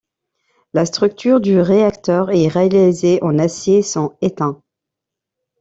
La structure du réacteur est réalisée en acier sans étain.